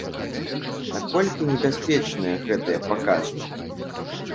Наколькі небяспечныя гэтыя паказчыкі?